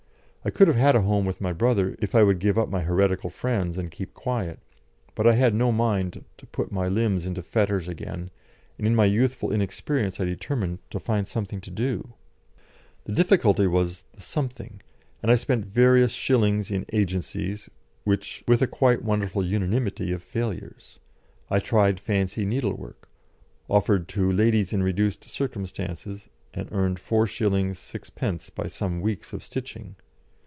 I could have had a home with my brother if I would give up my heretical friends and keep quiet, but I had no mind to put my limbs into fetters again, and in my youthful inexperience I determined to find something to do. The difficulty was the "something," and I spent various shillings in agencies, with a quite wonderful unanimity of failures. I tried fancy needle work, offered to "ladies in reduced circumstances," and earned 4s. 6d. by some weeks of stitching.